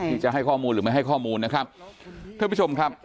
จะให้ข้อมูลหรือไม่ให้ข้อมูลนะครับท่านผู้ชมครับ